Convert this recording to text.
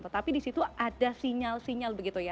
tetapi di situ ada sinyal sinyal begitu ya